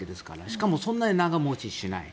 しかも、そんなに長持ちしない。